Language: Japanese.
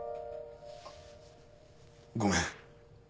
ごめん。